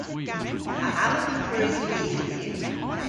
A allav vy pareusi li hedhyw?